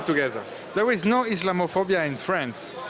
tidak ada islamofobia di perancis